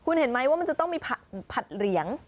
คุณเห็นไหมว่ามันจะต้องมีผัดเหลียง